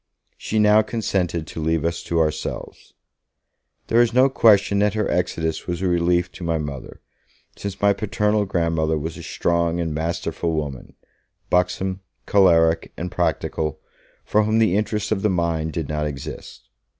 She now consented to leave us to ourselves. There is no question that her exodus was a relief to my Mother, since my paternal grandmother was a strong and masterful woman, buxom, choleric and practical, for whom the interests of the mind did not exist.